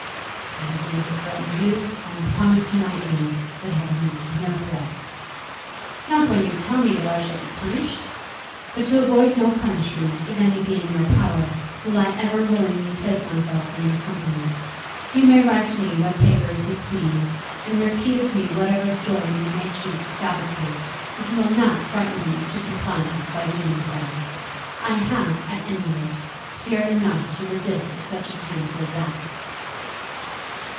"I have never threatened you. I have promised you my aid, but have used no threats." "Not when you tell me that I shall be punished? But to avoid no punishment, if any be in your power, will I ever willingly place myself in your company. You may write of me what papers you please, and repeat of me whatever stories you may choose to fabricate, but you will not frighten me into compliance by doing so. I have, at any rate, spirit enough to resist such attempts as that."